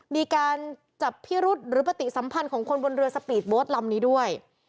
มีการจับพิรุษหรือปฏิสัมพันธ์ของคนบนเรือสปีดโบสต์ลำนี้ด้วย